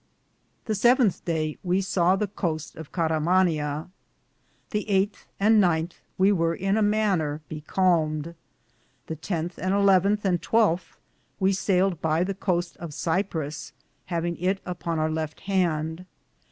The seventhe daye we saw the coste of Carmanee.^ The 8 and g we weare in a maner be calmede. The tenthe, and eleventhe, and I2th we sayled by the Coste of Siprus, havinge it upon our lefte hande.